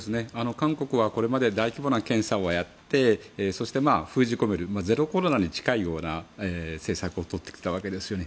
韓国はこれまで大規模な検査をやってそして封じ込めるゼロコロナに近いような政策をとってきたわけですよね。